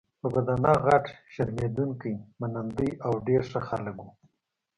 په بدنه غټ، شرمېدونکي، منندوی او ډېر ښه خلک وو.